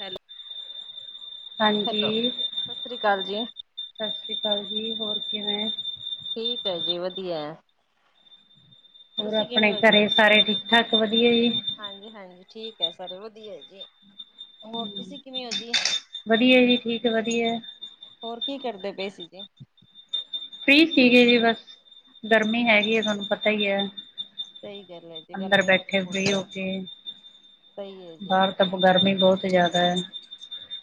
ਹੈਲ ਹਾਂਜੀ, ਸਤਿ ਸ੍ਰੀ ਅਕਾਲ ਜੀ। ਸਾ ਸ੍ਰੀ ਕਾਲ ਜੀ ਹੋਰ ਕਿਵੇਂ? ਠੀਕ ਐ ਜੀ ਵਦੀਆ। ਹੋਰ ਅਪਨੇ ਹੋ ਜੀ? ਘਰੇ ਸਾਰੇ ਠੀਕ-ਠਾਕ ਵਦੀਆ ਜੀ। ਹਾਂਜੀ-ਹਾਂਜੀ ਠੀਕ ਐ ਸਾਰੇ ਵਦੀਆ ਐ ਜੀ। ਹੋਰ ਤੁਸੀਂ ਕਿਵੇਂ ਓ ਜੀ? ਵਧੀਆ ਜੀ ਠੀਕ ਵਧੀਆ ਹੋਰ ਕੀ ਕਰਦੇ ਪਏ ਸੀ ਜੀ? ਫ੍ਰੀ ਸੀਗੇ ਜੀ ਬਸ ਗਰਮੀ ਹੂੰ। ਹੈਗੀ ਐ ਤੁਆਨੂੰ ਪਤਾ ਐ ਸਹੀ ਗੱਲ ਹੈ ਜੀ ਅੰਦਰ ਗਰਮੀ ਤਾਂ ਬੈਠੇ ਬਹੁਤ ਫ੍ਰੀ ਹੋ ਹੈ, ਕੇ ਸਹੀ ਹੈ ਜੀ। ਬਾਰ ਤਾਂ ਗਰਮੀ ਬੋਤ ਜੈਦਾ ਐ।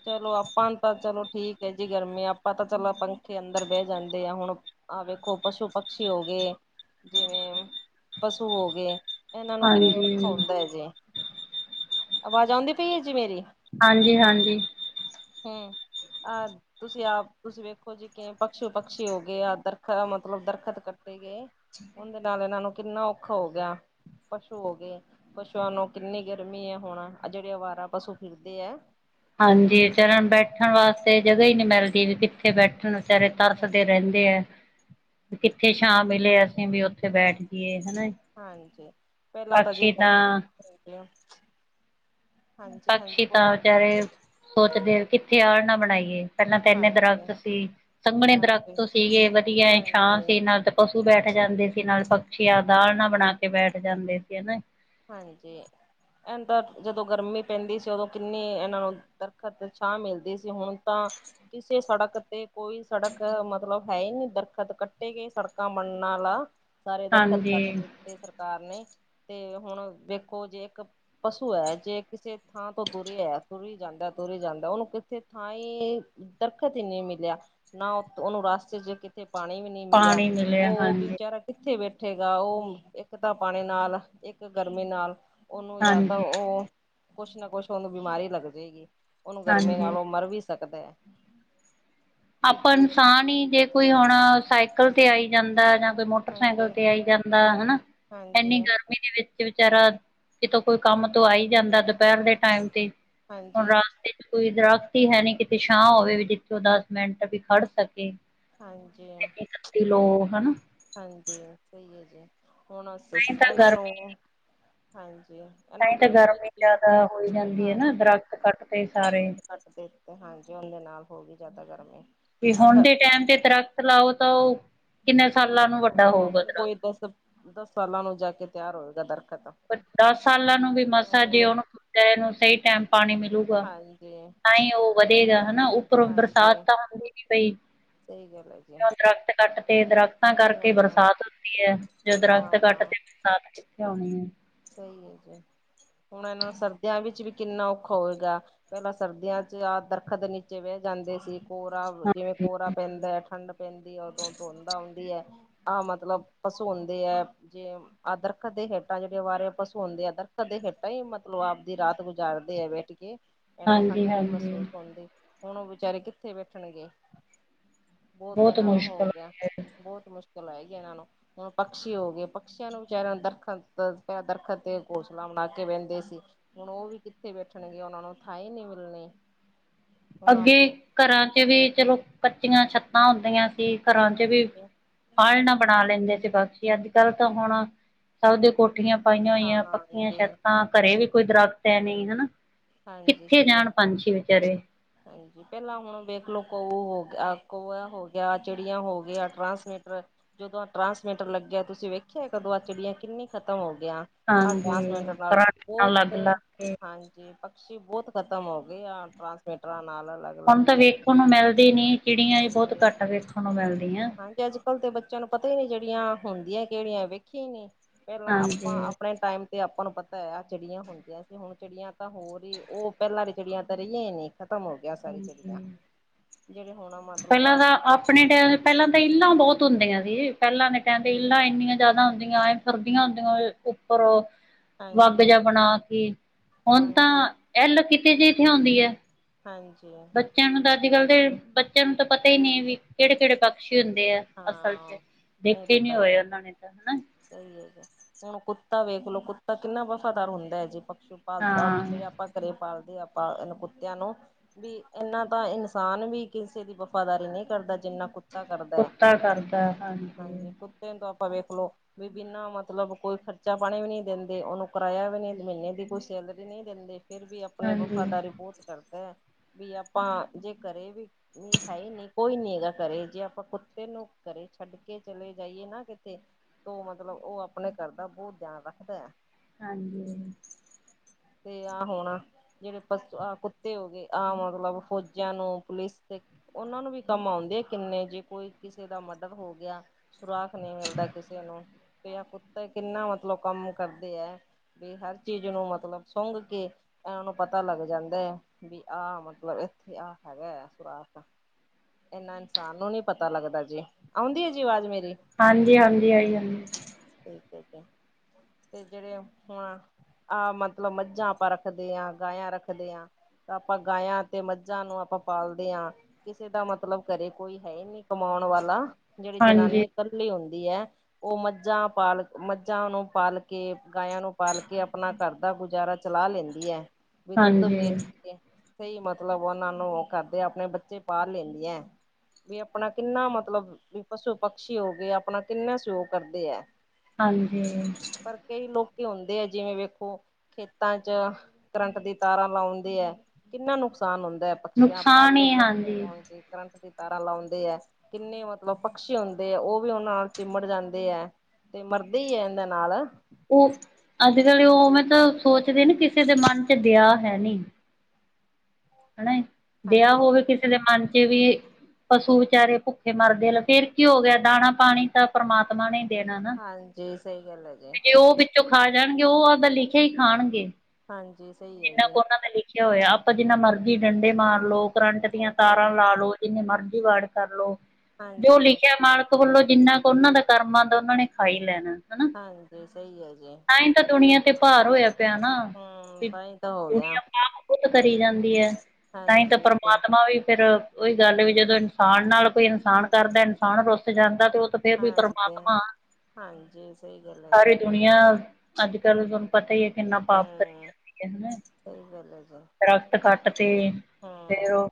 ਚਲੋ ਆਪਾਂ ਤਾਂ ਚਲੋ ਠੀਕ ਐ ਜੀ ਗਰਮੀ ਆਪਾਂ ਤਾਂ ਚਲੋ ਪੰਖੇ ਅੰਦਰ ਬੈ ਜਾਂਦੇ ਆ ਹੁਣ ਆ ਵੇਖੋ ਪਸ਼ੂ-ਪਕਸ਼ੀ ਹੋ ਗਏ ਜਿਵੇਂ ਪਸੂ ਹੋਗੇ ਏਨਾਂ ਨੂੰ ਕਿੰਨਾ ਹਾਂਜੀ ਓਖਾ ਹੁੰਦਾ ਐ ਜੀ ਆਵਾਜ਼ ਆਉਂਦੀ ਪਈ ਐ ਜੀ ਮੇਰੀ? ਹਾਂਜੀ-ਹਾਂਜੀ। ਹੂੰ ਆ ਤੁਸੀਂ ਆਪ ਤੁਸੀਂ ਵੇਖੋ ਜੀ ਕਿਵੇਂ ਪਕਸੂ-ਪਕਸ਼ੀ ਹੋ ਗਏ ਆ ਦਰਖਾ ਮਤਲਬ ਦਰਖਤ ਕੱਟੇ ਗਏ ਓੱਥੇ ਨਾਲ ਏਨਾਂ ਨੂੰ ਕਿੰਨਾ ਓਖਾ ਹੋ ਗਿਆ। ਪਸ਼ੂ ਹੋ ਗਏ ਪਸ਼ੂਆਂ ਨੂੰ ਕਿੰਨੀ ਗਰਮੀ ਐ ਹੁਣ ਜੇੜੇ ਅਵਾਰਾ ਪਸੂ ਫਿਰਦੇ ਐ। ਹਾਂਜੀ, ਚਰਣ ਬੈਠਣ ਵਾਸਤੇ ਜਗ੍ਹਾ ਈ ਨੀ ਮਿਲਦੀ ਵੀ ਕਿ ਥੇ ਬੈਠਣ ਵਿਚਾਰੇ ਤਰਸਦੇ ਹਾਂਜੀ ਰੈੰਦੇ ਐ। ਕਿੱਥੇ ਛਾਂ ਮਿਲੇ ਅਸੀਂ ਵੀ ਓੱਥੇ ਬੈਠ ਜਈਏ ਹੈਨਾ। ਹਾਂਜੀ ਪੈਲਾਂ ਤਾਂ ਜੀ ਬੋਤ ਫਰਕ ਆ। ਪਕਸ਼ੀ ਤਾਂ ਵਿਚਾਰੇ ਸੋਚਦੇ ਕਿੱਥੇ ਆਲਨਾ ਬਣਾਈਏ। ਪੈਲਾਂ ਤਾ ਇਨੇ ਹਾਂਜੀ ਦਰਖਤ ਸੀ ਸੰਘਣੇ ਹਾਂਜੀ ਦਰਖਤ ਸੀਗੇ ਵਧੀਆ ਛਾਂ ਹਾਂਜੀ ਸੀ ਨਾਲ ਦ ਪਸੂ ਬੈਠ ਜਾਂਦੇ ਸੀ ਨਾਲ ਪਕਸ਼ੀ ਆਪਦਾ ਆਲਣਾ ਬਣਾ ਕੇ ਬੈਠ ਜਾਂਦੇ ਸੀ ਹੈਨਾ ਹਾਂਜੀ ਹੁਣ ਤਾਂ ਜਦੋਂ ਪੈਂਦੀ ਸੀ ਓਦੋਂ ਕਿੰਨੀ ਏਨਾਂ ਨੂੰ ਦਰਖਤ ਛਾਂ ਮਿਲਦੀ ਸੀ ਹੁਣ ਤਾਂ ਕਿਸੇ ਸੜਕ ਤੇ ਕੋਈ ਸੜਕ ਮਤਲਬ ਹੈ ਈ ਨੀ ਦਰਖਤ ਕੱਟੇਗੇ ਸੜਕਾਂ ਮਲਨਾ ਲਾ ਸਾਰੇ ਦਰਖਤ ਹਾਂਜੀ ਕੱਟ ਦਿੱਤੇ ਸਰਕਾਰ ਨੇ ਤੇ ਹੁਣ ਦੇਖੋ ਜੇ ਇੱਕ ਪਸੂ ਐ ਜੇ ਕਿਸੇ ਥਾਂ ਤੋਂ ਤੁਰੇਆ ਤੁਰੀ ਜਾਂਦਾ-ਤੁਰੀ ਜਾਂਦਾ ਓਨੂੰ ਕਿੱਥੇ ਥਾਂ ਈ ਦਰਖਤ ਈ ਨੀ ਮਿਲਿਆ ਨਾ ਓਨੂੰ ਰਾਸਤੇ ਚ ਕਿਤੇ ਪਾਨੀ ਨੀ ਮਿਲਿਆ ਪਾਣੀ ਓ ਵੀ ਹਾਂਜੀ। ਵਿਚਾਰਾ ਕਿੱਥੇ ਬੈਠੇਗਾ ਓ ਇੱਕ ਤਾਂ ਪਾਨੀ ਨਾਲ ਇੱਕ ਗਰਮੀ ਨਾਲ ਓਨੂੰ ਤਾਂ ਤਾਂ ਹਾਂਜੀ ਓ ਕੁਛ ਨਾ ਕੁਛ ਓਨੂੰ ਬਿਮਾਰੀ ਲੱਗ ਜੇਗੀ ਓ ਓਨੂੰ ਗਰਮੀ ਹਾਂਜੀ। ਨਾਲ ਓ ਮਰ ਵੀ ਸਕਦਾ। ਵੀ ਆਪਾਂ ਇਨਸਾਨ ਈ ਜੇ ਕੋਈ ਹੁਣ ਸਾਈਕਲ ਤੇ ਆਈ ਜਾਂਦਾ ਜਾਂ ਤੇ ਮੋਟਰਸਾਈਕਲ ਹਾਂਜੀ ਤੇ ਆਈ ਜਾਂਦਾ ਹੈਨਾ ਹਾਂਜੀ ਐਨੀ ਗਰ ਮੀ ਦੇ ਵਿੱਚ ਵਿਚਾਰਾ ਕਿਤੋਂ ਕੋਈ ਕੰਮ ਤੋਂ ਆਈ ਜਾਂਦਾ ਦੋਪੈਰ ਦੇ ਟਾਈਮ ਤੇ ਹੁਣ ਹਾਂਜੀ ਰਸਤੇ ਚ ਕੋਈ ਦਰਖਤ ਈ ਹੈ ਨੀ ਕਿਤੇ ਛਾਂ ਹੋਵੇ ਵੀ ਜਿੱਥੇ ਓ ਦੱਸ ਮਿੰਟ ਵੀ ਖੜ ਸਕੇ। ਹਾਂਜੀ। ਇੱਕ ਤੇ ਲੋ ਹੈਨਾ। ਹਾਂਜੀ ਸਈ ਐ ਜੀ ਹੁਣ ਹਸੋ ਤਾਂਹੀ ਤਾਂ ਐਨਾਂ ਨੂੰ ਹਾਂਜੀ ਤਾਂਈ ਨੂੰ ਤਾਂ ਗਰਮੀ ਚ ਜਾਦਾ ਹੋਈ ਜਾਂਦੀ ਏ ਨਾ ਦਰਖਤ ਕੱਟਤੇ ਸਾਰੇ ਓ ਤੇ ਹਾਂਜੀ ਉਂਦੇ ਨਾਲ ਹੋਗੀ ਜਾਦਾ ਗਰਮੀ ਵੀ ਅਸ ਹੁਣ ਦੇ ਟੈਮ ਤੇ ਦਰਖਤ ਲਾਓ ਤਾਂ ਓਹ ਕਿੰਨੇ ਸਾਲਾਂ ਨੂੰ ਵੱਡਾ ਹੋਊਗਾ ਦਰਖਤ ਦੱਸ ਸਾਲ- ਦਸ ਸਾਲਾਂ ਨੂੰ ਜਾ ਕੇ ਤਿਆਰ ਹੋਏਗਾ ਦਰਖੱਤ ਦੱਸ ਸਾਲਾਂ ਨੂੰ ਵੀ ਮਸਾ ਜੇ ਓਨੂੰ ਨੂੰ ਸਈ ਟੈਮ ਪਾਨੀ ਮਿਲੂ [unintelligible] ਹਾਂਜੀ ਤਾਂ ਈ ਓ ਵਧੇਗਾ ਹੈਨਾ ਉੱਪਰੋਂ ਬਰਸਾਤ ਤਾਂ ਹੁੰਦੀ ਨੀ ਪਈ ਸਈ ਗੱਲ ਹੈਗੀ ਐਂ। ਜਦੋਂ ਦਰਖਤ ਕੱਟ ਤੇ ਦਰਖਤਾਂ ਕਰਕੇ ਬਰਸਾਤ ਹੁੰਦੀ ਐ ਜੇ ਦਰਖਤ ਕੱਟ ਹਾਂ ਤੇ ਬਰਸਾਤ ਕਿੱਥੇ ਅਓਣੀ ਏ। ਸਈ ਐ ਜੀ ਹੁਣ ਏਨੂ ਸਰਦੀਆਂ ਵਿੱਚ ਵੀ ਕਿੰਨਾ ਔਖਾ ਹੋਏਗਾ ਪੈਲਾਂ ਸਰਦੀਆਂ ਚ ਆ ਦਰਖੱਤ ਦੇ ਨੀਚੇ ਬੈ ਜਾਂਦੇ ਸੀ ਕੋਰਾ ਵਧੀਆ ਹਾਂਜੀ, ਕੋਰਾ ਪੈਂਦਾ ਐ ਠੰਡ ਪੈਂਦੀ ਐ ਉਦੋਂ ਧੁੰਦ ਆਉਂਦੀ ਐ। ਆਹ ਮਤਲਬ ਪਸੂ ਹੁੰਦੇ ਐ ਜੇ ਆ ਦਰਖੱਤ ਦੇ ਹੇਠਾਂ ਚ ਪਸ਼ੂ ਹੁੰਦੇ ਆ ਦਰਖੱਤ ਦੇ ਹੇਠਾਂ ਹੀ ਮਤਲਬ ਆਪਦੀ ਰਾਤ ਗੁਜ਼ਾਰਦੇ ਆ ਬੈਠ ਕੇ ਏਨੂੰ ਠੰਡ ਹਾਂਜੀ, ਨੀ ਹਾਂਜੀ ਮਹਿਸੂਸ ਹੁੰਦੀ ਹੁਣ ਓ ਬੇਚਾਰੇ ਕਿੱਥੇ ਬੈਠਣਗੇ। ਬੋਤ ਬਹੁਤ ਏਨਾਂ ਨੂੰ ਹੋ ਮੁਸ਼ਕਿਲ ਗਿਆ। ਹੈ। ਬੋਤ ਮੁਸ਼ਕਿਲ ਆਏਗੀ ਏਨਾਂ ਨੂੰ ਹੁਣ ਪਕਸ਼ੀ ਹੋ ਗਏ ਪਕਸ਼ੀਆਂ ਨੂੰ ਵਿਚਾਰਿਆਂ ਨੂੰ ਦਰਖੱਤ ਦਰਖੱਤ ਤੇ ਘੋਸਲਾ ਬਣਾ ਕੇ ਰੈੰਦੇ ਸੀ। ਹੁਣ ਓ ਵੀ ਕਿੱਥੇ ਬੈਠਣਗੇ ਓਨਾ ਨੂੰ ਥਾ ਈ ਨੀ ਮਿਲਣੀ ਹੁਣ ਅੱਗੇ ਆਪਣੇ ਕਰਾਂ ਚ ਵੀ ਚਲੋ ਕੱਚੀਆਂ ਛੱਤਾਂ ਹੁੰਦੀਆਂ ਸੀ ਕੱਰਾ ਚ ਵੀ ਆਲਣਾ ਬਣਾ ਲੈਂਦੇ ਸੀ ਬਕਸ਼ੀ ਅੱਜ-ਕੱਲ ਤਾਂ ਹੁਣ ਸਭ ਦੀ ਕੋਠੀਆਂ ਪਾਈਆਂ ਹਾਂ ਹੋਈਆਂ ਪੱਕੀਆਂ ਹਾਂ ਛੱਤਾਂ ਕਰੇ ਵੀ ਕੋਈ ਦਰਖਤ ਹੈ ਨੀ ਹੈਨਾ ਹਾਂਜੀ ਕਿੱਥੇ ਸਹੀ ਜਾਣ ਹੈ ਪੰਛੀ ਵਿਚਾਰੇ। ਹਾਂਜੀ ਪੈਲਾਂ ਹੁਣ ਵੇਖ ਲੋ ਕੋਊ ਹੋ ਗਿਆ, ਆ ਕਊਆ ਹੋ ਗਿਆ, ਚਿੜੀਆਂ ਹੋ ਗਿਆ ਟ੍ਰਾਂਸਮੀਟਰ ਜਦੋਂ ਆ ਟਰਾਂਸਮੀਟਰ ਲੱਗਿਆ ਤੁਸੀਂ ਵੇਖਿਆ ਕਦੋਂ ਆ ਚਿੜੀਆਂ ਕਿੰਨੀ ਖਤਮ ਹੋ ਗਿਆ। ਆ ਹਾਂਜੀ ਟਾਂਸਮੀਟਰ ਨਾਲ ਪਰਾਲੀ ਨਾਲ ਬੋਤ ਲੱਗ ਹਾਂ ਲੱਗ ਕੇ ਜੇ ਪਕਸ਼ੀ ਬੋਤ ਖਤਮ ਹੋ ਗੇ ਆ, ਟ੍ਰਾਂਸਮੀਟਰਾਂ ਨਾਲ ਲੱਗ ਹੁਣ ਤਾਂ ਵੇਖਣ ਨੂੰ ਮਿਲਦੀ ਨੀ, ਚਿੜੀਆਂ ਈ ਬੋਤ ਹਾਂਜੀ ਘੱਟ ਵੇਖਣ ਨੂੰ ਮਿਲਦੀਆਂ। ਹਾਂਜੀ ਅੱਜ ਕੱਲ੍ਹ ਤੇ ਬੱਚਿਆਂ ਨੂੰ ਪਤਾ ਈ ਨੀ ਜੇੜੀਆਂ ਹੁੰਦੀਆਂ ਕੇੜੀਆਂ, ਵੇਖੀਆ ਨੀ ਪੈਲਾਂ ਹਾਂਜੀ, ਆਪਾਂ ਆਪਣੇ ਟਾਈਮ ਤੇ ਆਪਾਂ ਨੂੰ ਪਤਾ ਐ ਆ ਚਿੜੀਆਂ ਹੁੰਦੀਆਂ ਸੀ, ਹੁਣ ਚਿੜੀਆਂ ਤਾਂ ਹੋਰ ਈ ਓ ਪੈਲਾਂ ਰੀ ਚਿੜੀਆਂ ਤਾ ਰਈਆ ਈ ਨੀ, ਖ਼ਤਮ ਹੋ ਗਿਆ ਸਾਰੀ ਚਿੜੀਆ, ਹਾਂਜੀ। ਜੇੜੇ ਹੁਣ ਆ ਮਤਲਬ ਪਹਿਲਾਂ ਤਾਂ ਆਪ ਆਪਣੇ ਟੈਮ ਪੈਲਾਂ ਤੇ ਇਲਾਂ ਬੋਤ ਹੁੰਦੀਆਂ ਸੀ, ਪੈਲਾਂ ਦੇ ਟੈਮ ਤੇ ਇਲਾਂ ਏਨੀਆਂ ਜ਼ਾਦਾ ਹੁੰਦੀਆਂ। ਸਰਦੀਆਂ ਹੁੰਦੀਆਂ ਪਰ ਓ ਵੱਗ ਹਾਂਜੀ ਜਿਆ ਬਣਾ ਕੇ ਹੁਣ ਤਾਂ ਹਾਂਜੀ ਏਲ ਕਿਤੇ ਜੀ ਥਿਓੰਦੀ ਏ। ਹਾਂਜੀ। ਬੱਚਿਆਂ ਨੂੰ ਤਾਂ ਅੱਜ ਕਲ੍ਹ ਦੇ, ਬੱਚਿਆਂ ਨੂੰ ਤਾਂ ਪਤਾ ਈ ਨੀ ਵੀ ਕੇੜੇ ਕੇੜੇ ਪਕਸ਼ੀ ਹੁੰਦੇ ਆ। ਅਸਲ 'ਚ ਹਾਂ ਦੇਖੇ ਨੀ ਹੋਏ ਓਨਾਂ ਨੇ ਤਾਂ ਹਨਾ। ਸਈ ਹੈਗਾ ਹੁਣ ਕੁੱਤਾ ਵੇਖ ਲੋ, ਕੁੱਤਾ ਕਿੰਨਾ ਵਫ਼ਾਦਾਰ ਹੁੰਦਾ ਐ ਜੀ ਪਸ਼ੂ ਪਾਲਤਾ ਆਪੇ ਹਾਂ ਆਪ ਆਪਾਂ ਘਰੇ ਪਾਲਦੇ, ਆਪਾਂ ਏਨਾ ਕੁੱਤਿਆਂ ਨੂੰ। ਵੀ ਏਨਾ ਤਾਂ ਇਨਸਾਨ ਵੀ ਕਿਸੇ ਦੀ ਵਫ਼ਾਦਾਰੀ ਨੀ ਕਰਦਾ, ਜਿੰਨਾ ਕੁੱਤਾ ਕਰਦਾ। ਕੁੱਤਾ ਕਰਦ ਕੁੱਤਾ ਐ, ਹਾਂਜ ਹਾਂਜੀ ਕੁੱਤੇ ਨੂੰ ਤਾਂ ਆਪਾਂ ਵੇਖਲੋ। ਵੀ ਬਿਨਾਂ ਮਤਲਬ ਕੋਈ ਖਰਚਾ ਪਾਣੀ ਵੀ ਨੀ ਦਿੰਦੇ ਓਨੂੰ, ਕਿਰਾਇਆ ਵੀ ਨੀ, ਮੀਨੇ ਦੀ ਕੋਈ ਸੈਲਰੀ ਨੀ ਦਿੰਦੇ। ਫੇਰ ਵੀ ਆਪਣੀ ਹਾਂਜੀ ਵਫ਼ਾਦਾਰੀ ਬੋਤ ਕਰਦਾ, ਵੀ ਆਪਾਂ ਜੇ ਘਰੇ ਵੀ ਨੀ ਹੈ ਨੀ ਕੋਈ ਨੀ ਹੈਗਾ ਘਰੇ ਜੇ ਆਪਾਂ ਕੁੱਤ ਕੁੁਤੇ ਨੁੰ ਘਰੇ ਛੱਡ ਕੇ ਚਲੇ ਜਾਈਏ ਨਾ ਕਿਤੇ ਓ ਮਤਲਬ ਓ ਆਪਣੇ ਘਰ ਦਾ ਬੋਤ ਧਿਆਨ ਰੱਖਦਾ। ਹਾਂਜੀ। ਤੇ ਆਹ ਹੁਣ ਜੇੜੇ ਪਸ ਆਹ ਕੁੱਤੇ ਹੋ ਗੇ, ਆਹ ਮਤਲਬ ਫੌਜਾਂ ਨੂੰ ਪੁਲਿਸ ਤੇ ਓਨਾਂ ਨੂੰ ਵੀ ਕੰਮ ਆਂਦੇ ਆ ਕਿੰਨੇ ਜੀ, ਕੋਈ ਕਿਸੇ ਦਾ ਮਡਰ ਹੋ ਗਿਆ। ਸੁਰਾਖ ਨੀ ਮਿਲਦਾ ਕਿਸੇ ਨੂੰ। ਵੀ ਐ ਕੁੱਤੇ ਕਿੰਨਾ ਮਤਲਬ ਕੰਮ ਕਰਦੇ ਐ, ਵੀ ਹਰ ਚੀਜ਼ ਨੂੰ ਮਤਲਬ ਸੁੰਘ ਕੇ ਏਨਾ ਨੂੰ ਪਤਾ ਲੱਗ ਜਾਂਦਾ ਐ ਵੀ, ਆਹ ਮਤਲਬ ਏਥੇ ਆਹ ਹੈਗਾ ਐ ਸੁਰਾਖ। ਏਨਾ ਇਨਸਾਨ ਨੂੰ ਨੀ ਪਤਾ ਲੱਗਦਾ ਜੀ, ਆਉਂਦੀ ਏ ਜੀ ਆਵਾਜ਼ ਮੇਰੀ? ਹਾਂਜੀ ਹਾਂਜੀ ਆਈ ਜਾਂਦੀ। ਠੀਕ ਐ ਜੀ ਤੇ ਜੇੜੇ ਆ ਹੁਣ ਆਹ ਮਤਲਬ ਮੱਝਾਂ ਆਪਾਂ ਰੱਖਦੇ ਆਂ, ਗਾਇਆ ਰੱਖਦੇ ਆਂ। ਤੇ ਆਪਾਂ ਗਾਇਆਂ ਤੇ ਮੱਝਾਂ ਨੂੰ ਆਪਾਂ ਪਾਲਦੇ ਆਂ। ਕਿਸੇ ਦਾ ਮਤਲਬ ਘਰੇ ਕੋਈ ਹੈ ਈ ਨੀ ਕਮਾਣ ਵਾਲਾ, ਜੇੜੀ ਹਾਂਜੀ ਜਨਾਨੀ ਕੱਲੀ ਹੁੰਦੀ ਐ। ਓ ਮੱਝਾਂ ਪਾਲ ਮੱਝਾਂ ਨੂੰ ਪਾਲ ਕੇ, ਗਾਇਆਂ ਨੂੰ ਪਾਲ ਕੇ ਆਪਣਾ ਘਰ ਦਾ ਗੁਜ਼ਾਰਾ ਚਲਾ ਲੈਂਦੀ ਐ। ਵੀ ਦੁੱਧ ਹਾਂਜੀ ਵੇਚ ਕੇ ਕਈ ਮਤਲਬ ਓਨਾਂ ਨੂੰ ਓ ਕਰਦੇ ਆਪਣੇ ਬੱਚੇ ਪਾਲ ਲੈਂਦੀਆਂ ਏ। ਵੀ ਆਪਣਾ ਕਿੰਨਾ ਮਤਲਬ ਵੀ ਪਸੂ ਪਕਸ਼ੀ ਹੋ ਗੇ, ਆਪਣਾ ਕਿੰਨਾ ਸਯੋਗ ਕਰਦੇ ਐ। ਹਾਂਜੀ। ਪਰ ਕਈ ਲੋਕੀ ਹੁਨਦੇ ਐ ਜਿਵੇਂ ਵੇਖੋ ਖੇਤਾਂ 'ਚ ਕਰੰਟ ਦੀ ਤਾਰਾਂ ਲਾਉਂਦੇ ਐ ਕਿੰਨਾ ਨੁਕਸਾਨ ਹੁੰਦੈ। ਪਕਛੀਆਂ ਨੁਕਸਾਨ ਪਾਲਤੂ ਹੀ [unintelligible] ਆਂ [unintelligible] ਹਾਂਜੀ ਲਾਉਣ ਦੇ ਕਰੰਟ ਦੀ ਤਾਰਾਂ ਲਾਉਂਦੇ ਐ ਕਿੰਨੇ ਮਤਲਬ ਪਕਸ਼ੀ ਹੁੰਦੇ ਐ ਓ ਵੀ ਓਨ ਨਾਲ ਚਿਮੜ ਜਾਂਦੇ ਐ। ਤੇ ਮਰਦੇ ਈ ਐ ਉਨ੍ਹਾਂ ਨਾਲ ਓ ਅੱਜ ਕੱਲ ਓ ਮਤਲਬ ਸੋਚਦੇ ਨੇ ਕਿਸੇ ਦੇ ਮਨ ਚ ਦਆ ਹੈ ਨੀ। ਹਨਾ ਏ ਦਆ ਹਾਂਜੀ ਹੋਵੇ ਕਿਸੇ ਕਿਸੇ ਦੇ ਮਨ ਚ ਵੀ, ਪਸ਼ੂ ਵਿਚਾਰੇ ਭੁੱਖੇ ਮਰਦੇ ਫੇਰ ਕੀ ਹੋ ਗਿਆ ਦਾਣਾ ਪਾਣੀ ਤਾ ਪਰਮਾਤਮਾ ਨੇ ਈ ਦੇਣਾ ਨਾ, ਹਾਂਜੀ ਸਹੀ ਗੱਲ ਹੈ ਜੀ ਤੇ ਜੇ ਓ ਚ ਖਾ ਜਾਣਗੇ ਓ ਆਪਦਾ ਲਿਖਿਆ ਈ ਖਾਣਗੇ। ਹਾਂਜੀ ਸਈ ਐ ਜਿੰਨਾ ਜੀ ਕੁ ਉਹਨਾਂ ਨੇ ਲਿਖਿਆ ਹੋਇਆ ਆਪਾਂ ਜਿੰਨਾ ਮਰਜੀ ਡੰਡੇ ਮਾਰ ਲੋੋ, ਕਰੰਟ ਦੀਆਂ ਹਾਂਜੀ ਤਾਰਾਂ ਲਾ ਲੋ ਜਿੰਨੇ ਮਰਜੀ ਵਾਡ ਕਰਲੋ ਜੋ ਹਾਂਜੀ ਲਿਖਿਆ ਮਾਲਕ ਵੱਲੋਂ ਜਿੰਨਾ ਕੁ ਓਨਾਂ ਦੇ ਕਰਮਾ ਦਾ ਉਨਾ ਨੇ ਖਾਈ ਲੈਣਾ ਹਨਾ। ਹਾਂਜੀ ਸਈ ਐ ਜੀ। ਤਾਂ ਈ ਤਾ ਦੁਨੀਆਂ ਤੇ ਭਾਰ ਹੋਇਆ ਪਿਆ ਨਾ, ਹਮ ਤਾਂਹੀ ਤਾਂ ਹੋ ਗਿਆ ਦੁਨੀਆਂ ਪਾਪ ਖੁਦ ਕਰੀ ਜਾਂਦੀ ਐ, ਤਾਂਈ ਤਾ ਹਾਂਜੀ ਤੇ ਪਰਮਾਤਮਾ ਵੀ ਫੇਰ ਓਈ ਗੱਲ ਵੀ ਜਦੋਂ ਇਨਸਾਨ ਨਾਲ ਕੋਈ ਇਨਸਾਨ ਕਰਦਾ ਇਨਸਾਨ ਰੁੱਸ ਜਾਂਦਾ ਤੇ ਓ ਤੇ ਹਾਂਜੀ, ਹਾਂਜੀ ਸਈ ਗੱਲ ਐ ਜੀ। ਦੁਨੀਆ, ਅੱਜ ਕੱਲ ਤਾਨੂੰ ਪਤਾ ਈ ਐ ਕਿੰਨਾ ਪਾਪ ਕਰੀ ਜਾਂਦੀ ਐ ਹਨਾ। ਸਈ ਗੱਲ ਐ ਜੀ। ਦਰੱਖਤ ਕੱਟ ਤੇ ਫੇਰ ਹਾਂ ਓ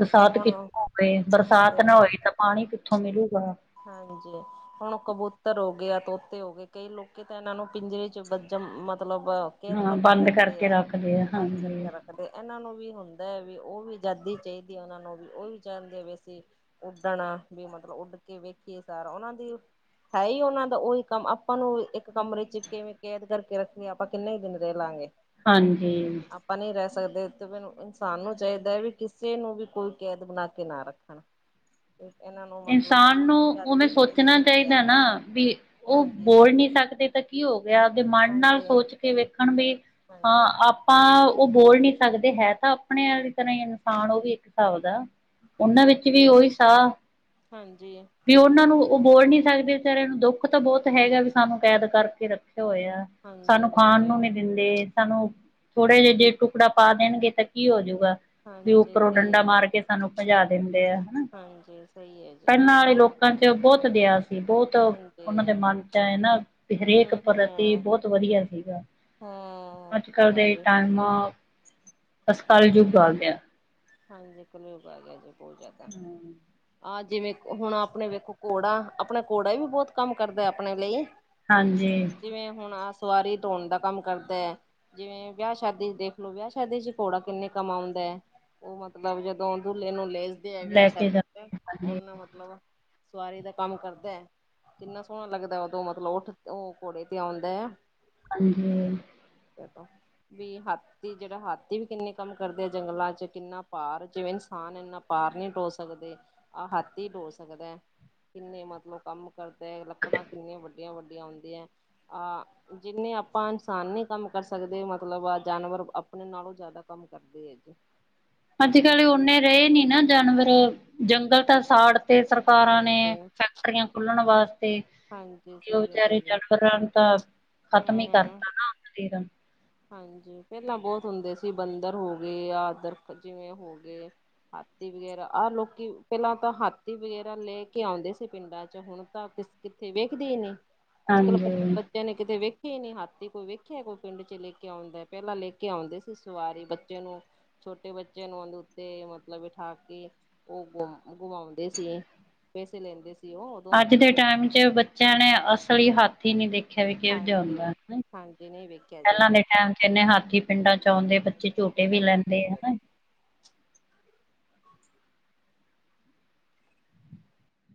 ਬਰਸਾਤ ਹੁਣ ਕਿੱਥੋਂ ਹੋਵੇ, ਬਰਸਾਤ ਸਹੀ ਨਾ ਗੱਲ ਹੋਈ ਹੈ ਤਾ ਪਾਣੀ ਕਿੱਥੋ ਮਿਲੂਗਾ? ਹਾਂਜੀ ਹੁਣ ਕਬੂਤਰ ਹੋਗੇ ਆ, ਤੋਤੇ ਹੋਗੇ ਕਈ ਲੋਕੀ ਤਾਂ ਇਨਾਂ ਨੂੰ ਪਿੰਜਰੇ ਚ ਵਜਮ ਮਤਲਬ ਕੈਦ ਹਾਂ ਕਰਕੇ ਬੰਦ ਰੱਖਦੇ ਕਰਕੇ ਐ, ਰੱਖਦੇ ਆ ਬੰਦ ਹਾਂਜੀ ਕਰਕੇ ਰੱਖ ਤੇ ਏਨਾਂ ਨੂੰ ਵੀ ਹੁੰਦਾ ਐ ਵੀ ਓ ਵੀ ਅਜਾਦੀ ਚਾਈਦੀ ਉਨਾਂ ਨੂੰ ਵੀ ਓ ਵੀ ਚਾਂਦੇ ਆ ਵੀ ਅਸੀ ਉੱਡਣਾ ਵੀ ਮਤਲਬ ਉੱਡ ਕੇ ਵੇਖੀਏ ਸਾਰਾ ਉਨਾਂ ਦੀ ਹੈ ਈ ਉਨਾਂ ਦਾ ਓਈ ਕੰਮ ਆਪਾਂ ਨੂੰ ਇੱਕ ਕਮਰੇ ਚ ਕਿਵੇਂ ਕੈਦ ਕਰਕੇ ਰੱਖਿਆ ਆਪਾਂ ਕਿੰਨੇ ਦਿਨ ਰੈ ਲਾਂਗੇ? ਹਾਂਜੀ ਆਪਾਂ ਨਈ ਰੈ ਸਕਦੇ ਤੇ ਮੈਨੂੰ ਇਨਸਾਨ ਨੂੰ ਚਾਈਦਾ ਵੀ ਕਿਸੇ ਨੂੰ ਵੀ ਕੋਈ ਕੈਦ ਬਣਾ ਕੇ ਨਾ ਰੱਖਣ ਇਨਾਂ ਨੂੰ ਮਤਲਬ ਆ ਇਨਸਾਨ ਨੂੰ ਓ ਫਿਰ ਆਜ਼ਾਦੀ ਹੋਣੀ ਸੋਚਨਾ ਚਾਹੀਦੀ ਚਾਈਦਾ ਨਾ, ਵੀ ਓ ਹਾਂਜੀ। ਬੋਲ ਨੀ ਸਕਦੇ ਤਾ ਕੀ ਹੋ ਗਿਆ ਆਪਦੇ ਮਨ ਨਾਲ ਹਾਂਜੀ, ਸੋਚ ਕੇ ਵੇਖਣ ਬੀ ਹਾਂ, ਹਾਂਜੀ, ਆਪ ਪਾਂ ਓ ਬੋਲ ਨੀ ਸਕਦੇ ਹੈ ਤਾ ਆਪਣੇ ਅਰੀ ਤਰ੍ਹਾਂ ਇਨਸਾਨ ਓ ਵੀ ਇੱਕ ਸਾਬ ਦਾ ਓਨਾਂ ਵਿੱਚ ਵੀ ਓਹੀ ਸਾਹ ਹਾਂਜੀ ਵੀ ਓਨਾਂ ਨੂੰ ਓ ਬੋਲ ਨੀ ਸਕਦੇ ਵਿਚਾਰੇ ਨੂੰ ਦੁੱਖ ਤਾਂ ਬੌਤ ਹੈਗਾ ਵੀ ਸਾਨੂੰ ਕੈਦ ਕਰਕੇ ਰੱਖਿਆ ਹੋਇਆ। ਹਾਂਜੀ, ਸਾਨੂੰ ਖਾਣ ਨੂੰ ਹਾਂਜੀ। ਨੀ ਦਿੰ ਦੇ ਸਾਨੂੰ ਥੋੜੇ ਜੇ ਜੇ ਟੁਕੜਾ ਪਾ ਦੇਣਗੇ ਤਾ ਕੀ ਹੋਜੂਗਾ। ਵੀ ਹਾਂਜੀ ਉੱਪਰੋ ਸਹੀ ਡੰਡਾ ਹੈ, ਮਾਰ ਕੇ ਸਾਨੂੰ ਭਜਾ ਦਿੰਦੇ ਆ ਹਨਾ। ਹਾਂਜੀ, ਸਈ ਐ। ਪੈਲਾਂ ਆਲੇ ਲੋਕਾਂ ਚ ਬੋਤ ਦਆ ਸੀ ਬੋਤ ਹਾਂਜੀ। ਉਨਾਂ ਦੇ ਮਨ ਚ ਐ ਨਾ ਵੀ ਹਰੇਕ ਹੂੰ, ਪ੍ਰਤੀ ਹੂੰ, ਬੋਤ ਵਧੀਆ ਸੀਗਾ। ਹੂੰ, ਅੱਜ ਕਲ ਦੇ ਹਾਂਜੀ। ਟਾਈਮ ਅਸ ਕਾਲਯੁੱਗ ਆ ਗਿਆ। ਹਾਂਜੀ ਕਲਯੁੱਗ ਆ ਗਿਆ ਜੀ ਬੋਤ ਜਾਦਾ। ਆ ਜਿਵੇ ਹੁਣ ਆਪਣੇ ਵੇਖੋ ਘੋੜਾ ਆਪਣਾ ਘੋੜਾ ਵੀ ਬੋਤ ਕੰਮ ਕਰਦਾ ਆਪਣੇ ਲਈ। ਹਾਂਜੀ। ਜਿਵੇਂ ਹੁਣ ਆਹ ਸਵਾਰੀ ਧੋਣ ਦਾ ਕੰਮ ਕਰਦਾ। ਜਿਵੇਂ ਵਿਆਹ ਸ਼ਾਦੀ ਚ ਦੇਖ ਲੋ ਵਿਆਹ ਸ਼ਾਦੀ ਚ ਘੋੜਾ ਕਿੰਨੇ ਕੰਮ ਆਉਂਦਾ। ਉਹ ਮਤਲਬ ਜਦੋਂ ਦੁੱਲੇ ਨੂੰ ਲੇਜਦੇ ਐ ਵਿਆ ਲੈ ਕੇ ਜਾ ਸ਼ਾਦੀ ਤੇ ਹਾਂਜੀ ਉਨੂੰ ਮਤਲਬ ਸਵਾਰੀ ਦਾ ਕੰਮ ਕਰਦਾ। ਕਿੰਨਾ ਸੋਣਾ ਲੱਗਦਾ ਉਦੋਂ ਮਤਲਬ ਉੱਠ ਉਹ ਘੋੜੇ ਤੇ ਆਉਂਦਾ। [unintelligible] ਵੀ ਹਾਥੀ ਜੇੜਾ ਹਾਥੀ ਵੀ ਕਿੰਨੇ ਕੰਮ ਕਰਦੇ ਐ ਜੰਗਲਾ ਚ। ਕਿੰਨਾ ਪਾਰ ਜਿਵੇਂ ਇਨਸਾਨ ਇੰਨਾ ਪਾਰ ਨੀ ਡੋ ਸਕਦੇ ਆਹ ਹੱਥੀ ਡੋ ਸਕਦਾ। ਕਿੰਨੇ ਮਤਲਬ ਕੰਮ ਕਰਦਾ ਐ ਲੱਕੜਾਂ ਕਿੰਨੀਆਂ ਵੱਡੀਆਂ- ਵੱਡੀਆਂ ਹੁੰਂਦੀਆ ਆਹ ਜਿੰਨੇ ਆਪਾਂ ਇਨਸਾਨ ਨੀ ਕੰਮ ਕਰ ਸਕਦੇ ਮਤਲਬ ਆ ਜਾਨਵਰ ਆਪਣੇ ਨਾਲੋਂ ਜਾਦਾ ਕੰਮ ਕਰਦੇ ਐ ਜੀ। ਅੱਜ ਬਹੁਤ ਕੱਲ ਕੰਮ ਓਨੇ ਕਰਦੇ ਰਹੇ ਨੀ ਨਾ ਜਾਨਵਰ ਜੰਗਲ ਤਾਂ ਸਾੜ ਤੇ ਸਰਕਾਰਾਂ ਨੇ ਹਾਂਜੀ ਫੈਕਟਰੀਆਂ ਖੁਲਣ ਵਾਸ ਤੇ ਹਾਂਜੀ ਉਹ ਸਹੀ ਗੱਲ ਹੈ ਵਿਚਾਰੇ ਜੀ ਜਾਨਵਰਾਂ ਨੂੰ ਤਾਂ ਖਤਮ ਹੀ ਹਮ ਕਰਤਾ ਨਾ ਹਾਂਜੀ ਪੈਲਾਂ ਬਹੋਤ ਹੁੰਦੇ ਸੀ ਬੰਦਰ ਹੋ ਗੇ ਆਦਰ ਜਿਵੇਂ ਹੋ ਗੇ। ਹਾਥੀ ਵਗੈਰਾ ਆਹ ਲੋਕੀ ਪੈਲਾਂ ਤਾਂ ਹਾਥੀ ਵਗੈਰਾ ਲੈ ਕੇ ਆਂਦੇ ਸੀ ਪਿੰਡਾਂ ਚ ਹੁਣ‌ ਤਾਂ ਕਿੱਥੇ ਵੇਖਦੀ ਈ ਨੀ। ਅੱਜ ਕੱਲ ਬ ਹਾਂਜੀ ਬੱਚਿਆਂ ਨੇ ਕਿਤੇ ਵੇਖਿਆ ਈ ਨੀ ਹਾਥੀ ਕੋਈ ਵੇਖਿਆ ਕੋਈ ਪਿੰਡ ਚ ਲੈ ਕੇ ਲ ਕੇ ਆਉਂਦਾ ਪਹਿਲਾਂ ਲੈ ਕੇ ਆਉਂਦੇ ਸੀ ਸਵਾਰੀ ਬੱਚੇ ਨੂੰ ਛੋਟੇ ਬੱਚਿਆਂ ਨੂੰ ਉਂਦੇ ਉੱਤੇ ਮਤਲਬ ਬਿਠਾ ਕੇ ਉਹ ਗਮ ਗੁਮਾਉਂਦੇ ਸੀਗੇ। ਪੈਸੇ ਲੈਂਦੇ ਸ ਆਜ ਦੇ ਟੈਮ ਚ ਬੱਚਿਆਂ ਨੇ ਅਸਲੀ ਹੱਥੀ ਨੀ ਦੇਖਿਆ ਵੀ ਕਿਓ ਜਾ ਹੁੰਦਾ। ਹਾਂਜੀ ਹਾਂਜੀ ਨਹੀਂ ਵੇਖਿਆ ਜੀ ਪੈਲਾਂ ਦੇ ਟੈਮ ਚ ਇੰਨੇ ਹਾਥੀ ਪਿੰਡਾਂ ਚ ਆਉਂਦੇ ਬੱਚੇ ਝੂਟੇ ਪਿੰਡਾਂ ਵੀ ਚ ਲੈਂਦੇ ਆਉਂਦਾ ਹਨਾ।